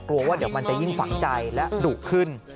กลัวว่าเดี๋ยวมันจะยิ่งฝังใจและดุขึ้น